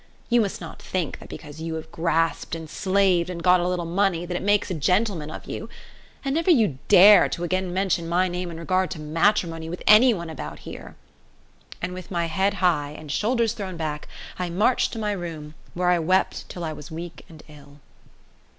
You must not think that because you have grasped and slaved and got a little money that it makes a gentleman of you; and never you dare to again mention my name in regard to matrimony with any one about here;" and with my head high and shoulders thrown back I marched to my room, where I wept till I was weak and ill.